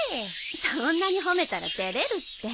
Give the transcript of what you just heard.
そんなに褒めたら照れるって。